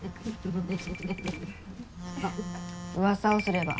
あっ噂をすれば。